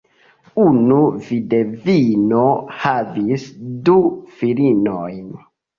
Unu vidvino havis du filinojn.